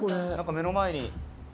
目の前に。